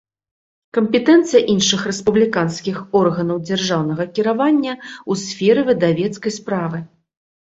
Кампетэнцыя iншых рэспублiканскiх органаў дзяржаўнага кiравання ў сферы выдавецкай справы